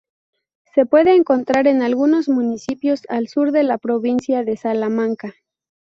Se puede encontrar en algunos municipios al sur de la provincia de Salamanca.